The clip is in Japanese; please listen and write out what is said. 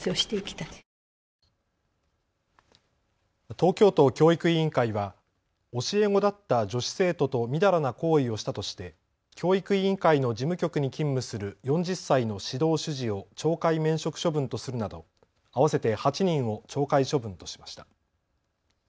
東京都教育委員会は教え子だった女子生徒とみだらな行為をしたとして教育委員会の事務局に勤務する４０歳の指導主事を懲戒免職処分とするなど合わせて８人を懲戒処分としました。